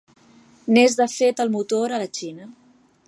N'és de fet el motor a la Xina.